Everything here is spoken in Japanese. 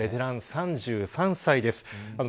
ベテラン、３３歳です。